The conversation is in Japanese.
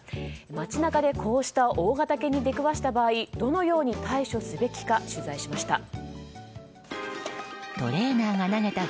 街中でこうした大型犬に出くわした場合、どのように対処すべきか取材しました。